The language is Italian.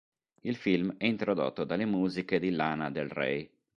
Il film è introdotto dalle musiche di Lana Del Rey.